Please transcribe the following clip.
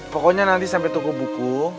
pokoknya nanti sampai toko buku